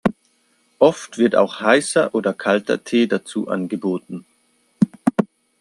Oft wird auch heißer oder kalter Tee dazu angeboten.